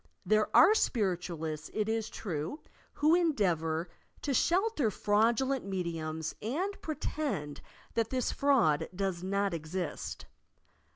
There are Spiritualists, it is true, who endeavour to shelter fraudulent mediums and pre tend that this fraud does not exist.